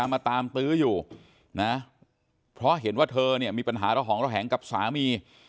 มาตามตื้ออยู่นะเพราะเห็นว่าเธอเนี่ยมีปัญหาระหองระแหงกับสามี